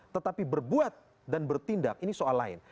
tetapi berbuat dan bertindak ini soal lain